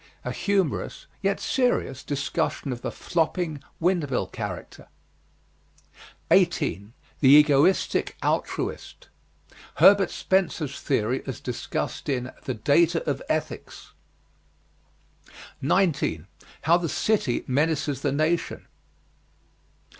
A humorous, yet serious, discussion of the flopping, wind mill character. 18. THE EGOISTIC ALTRUIST. Herbert Spencer's theory as discussed in "The Data of Ethics." 19. HOW THE CITY MENACES THE NATION.